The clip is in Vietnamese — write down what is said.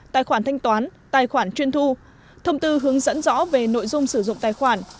tài khoản thanh toán tài khoản chuyên thu thông tư hướng dẫn rõ về nội dung sử dụng tài khoản